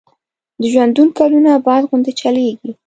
د ژوندون کلونه باد غوندي چلیږي